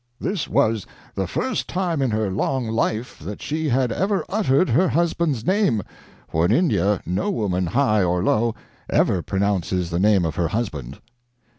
"This was the first time in her long life that she had ever uttered her husband's name, for in India no woman, high or low, ever pronounces the name of her husband."